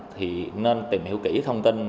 thì nên tìm hiểu kỹ thông tin